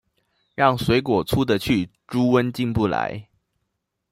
讓水果出得去，豬瘟進不來